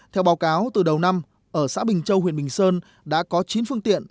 theo báo cáo từ đầu năm ở xã bình châu huyện bình sơn đã có chín phương tiện